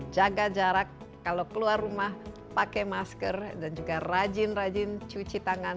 jaga jarak kalau keluar rumah pakai masker dan juga rajin rajin cuci tangan